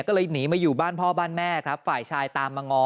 ก็เลยหนีมาอยู่บ้านพ่อบ้านแม่ครับฝ่ายชายตามมาง้อ